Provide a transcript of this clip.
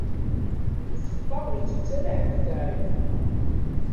Lfeṭṭa ur tt-ittara ḥedd d taɛrit.